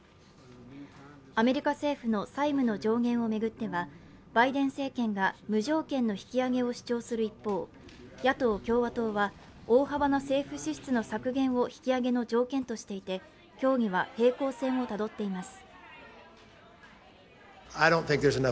アメリカ政府の債務の上限を巡ってはバイデン政権が無条件の引き上げを主張する一方野党・共和党は大幅な政府支出の削減を引き上げの条件としていて協議は平行線をたどっています。